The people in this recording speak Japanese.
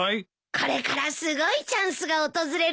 これからすごいチャンスが訪れるって！